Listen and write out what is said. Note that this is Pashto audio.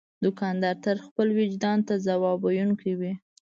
دوکاندار تل خپل وجدان ته ځواب ویونکی وي.